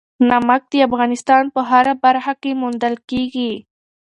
نمک د افغانستان په هره برخه کې موندل کېږي.